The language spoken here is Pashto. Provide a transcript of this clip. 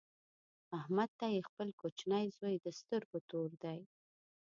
احمد ته یې خپل کوچنۍ زوی د سترګو تور دی.